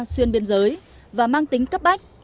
xuyên biên giới và mang tính cấp bách